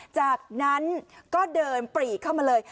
จากนั้นก็เดินปรีเข้ามาเลย